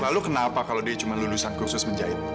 lalu kenapa kalau dia cuma lulusan khusus menjahit